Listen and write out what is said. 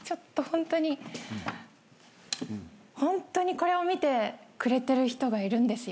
ホントにこれを見てくれてる人がいるんですよね？